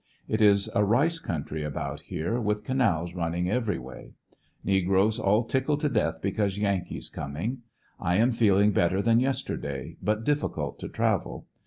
It is a rice country about here, with canals running every way. Negroes all tickled to death because Yankees coming. I am feeling better than yesterday, but difficult to travel.